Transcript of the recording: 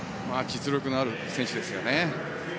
実力のある選手ですよね。